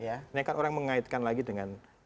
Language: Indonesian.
ini kan orang mengaitkan lagi dengan